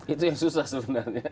itu yang susah sebenarnya